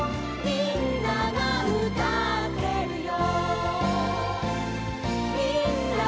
「みんながうたってるよ」